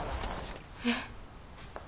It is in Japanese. えっ？